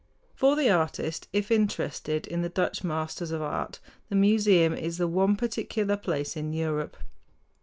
For the artist, if interested in the Dutch masters of art, the museum is the one particular place in Europe.